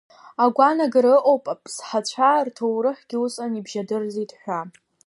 Агәаанагара ыҟоуп Аԥсҳацәа рҭоурыхгьы усҟан ибжьадырӡит ҳәа.